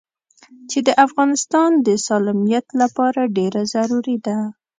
چې د افغانستان د سالميت لپاره ډېره ضروري ده.